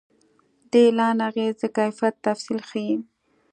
د اعلان اغېز د کیفیت تفصیل ښيي.